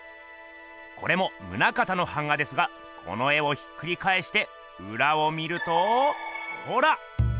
これも棟方の版画ですがこの絵をひっくりかえしてうらを見るとほら！